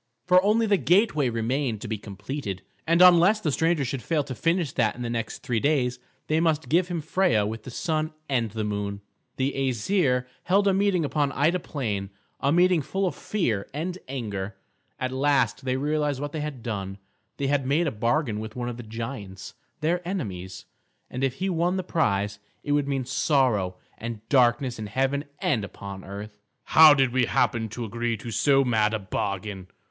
For only the gateway remained to be completed, and unless the stranger should fail to finish that in the next three days, they must give him Freia with the Sun and Moon. The Æsir held a meeting upon Ida Plain, a meeting full of fear and anger. At last they realised what they had done; they had made a bargain with one of the giants, their enemies; and if he won the prize, it would mean sorrow and darkness in heaven and upon earth. "How did we happen to agree to so mad a bargain?"